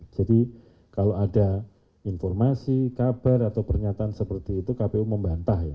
jadi kalau ada informasi kabar atau pernyataan seperti itu kpu membantah ya